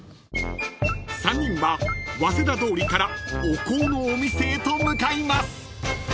［３人は早稲田通りからお香のお店へと向かいます］